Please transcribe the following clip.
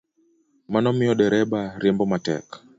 Mano miyo dereba riembo matek